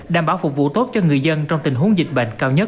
đảm bảo phục vụ tốt cho người dân trong tình huống dịch bệnh cao nhất